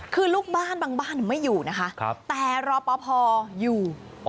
คือลูกบ้านบางบ้านไม่อยู่นะคะแต่รอปภอยู่